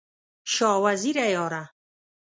شاه وزیره یاره!